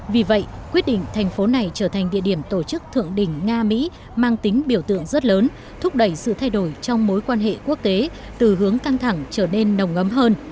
vì vậy quyết định thành phố này trở thành địa điểm tổ chức thượng đỉnh nga mỹ mang tính biểu tượng rất lớn thúc đẩy sự thay đổi trong mối quan hệ quốc tế từ hướng căng thẳng trở nên nồng ấm hơn